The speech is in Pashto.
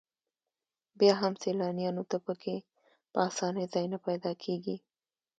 بیا هم سیلانیانو ته په کې په اسانۍ ځای نه پیدا کېږي.